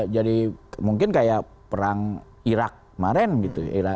jadi mungkin kayak perang irak kemarin gitu